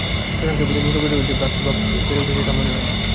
শশাঙ্কের প্রতি নীরদেরও যে ভ্রাতৃভাব বেড়ে উঠছে তা মনে হয় না।